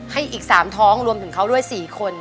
อีก๓ท้องรวมถึงเขาด้วย๔คน